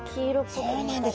そうなんです。